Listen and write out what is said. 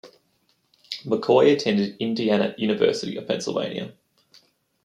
McCoy attended Indiana University of Pennsylvania.